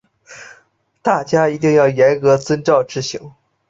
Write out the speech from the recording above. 大家一定要严格遵照执行